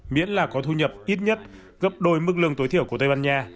miễn là có thu nhập ít nhất gấp đôi mức lương tối thiểu của tây ban nha